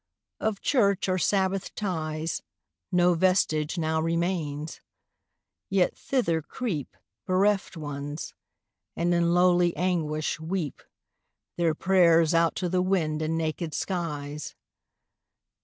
Of church, or sabbath ties, 5 No vestige now remains; yet thither creep Bereft Ones, and in lowly anguish weep Their prayers out to the wind and naked skies.